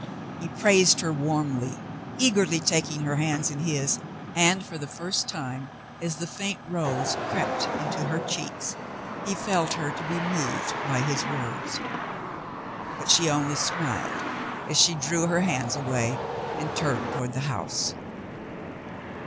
He praised her warmly, eagerly, taking her hands in his, and for the first time, as the faint rose crept into her cheeks, he felt her to be moved by his words ; but she only smiled as she drew her hands aw^ay and turned toward the house.